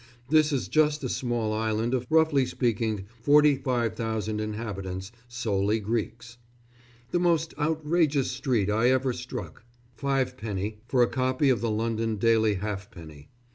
This is just a small island of, roughly speaking, 45,000 inhabitants, solely Greeks. The most outrageous street I ever struck 5_d._ for a copy of a London daily halfpenny.